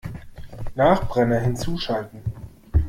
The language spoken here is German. Nachbrenner hinzuschalten!